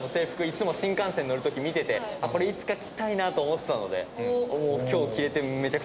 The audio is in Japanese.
いつも新幹線乗る時見ててこれいつか着たいなと思ってたので今日着れてめちゃくちゃうれしいです。